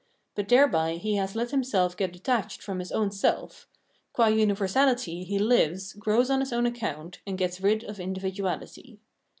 But thereby he has let himself get detached from his own self ; qua universality he hves, grows on his own account, and gets rid of individuahty.